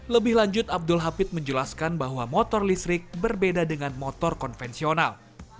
lebih lanjut abdul hafid menjelaskan bahwa motor listrik berbeda dengan motor konvensional